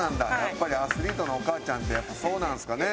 やっぱりアスリートのお母ちゃんってそうなんですかね。